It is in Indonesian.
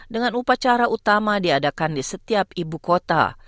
dengan upacara utama diadakan di setiap ibu kota